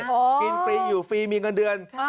กินฟรีอยู่ฟรีมีเงินเดือน